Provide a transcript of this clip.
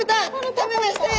食べましたよ！